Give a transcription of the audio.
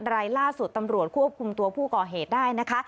รายล่าสุดตำรวจควบคุมตัวผู้ก่อเหตุได้นะคะ